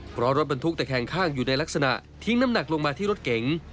เพราะรถบรรทุกตะแคงข้างอยู่ในลักษณะทิ้งน้ำหนักลงมาที่รถเก๋ง